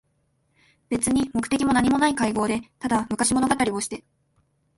べつに目的もなにもない会合で、ただ昔物語りをして、